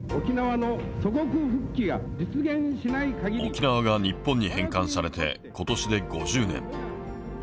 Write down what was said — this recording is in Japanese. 沖縄が日本に返還されてことしで５０年。